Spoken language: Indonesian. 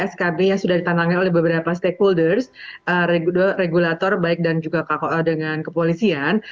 skb yang sudah ditantangi oleh beberapa stakeholders regulator baik dan juga dengan kepolisian